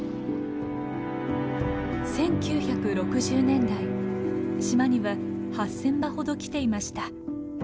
１９６０年代島には８，０００羽ほど来ていました。